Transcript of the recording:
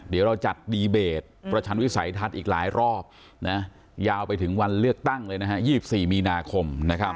เดี๋ยวเราจัดดีเบตประชันวิสัยทัศน์อีกหลายรอบยาวไปถึงวันเลือกตั้งเลยนะฮะ๒๔มีนาคม